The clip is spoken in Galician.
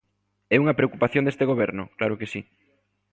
É unha preocupación deste goberno, claro que si.